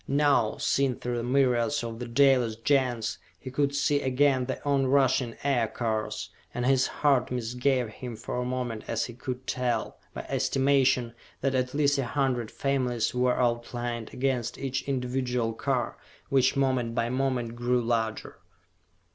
Now, seen through the myriads of the Dalis Gens, he could see again the on rushing Aircars, and his heart misgave him for a moment as he could tell, by estimation, that at least a hundred families were outlined against each individual car, which moment by moment grew larger.